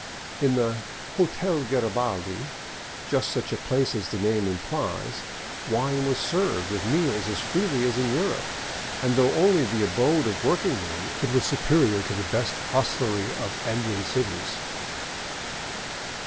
In the " Hotel Garabaldi "— just such a place as the name impHes — wine was served with meals as freely as in Europe, and though only the abode of working men, it was superior to the best hostlery of Andean cities.